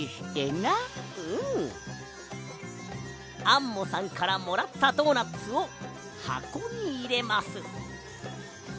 アンモさんからもらったドーナツをはこにいれます。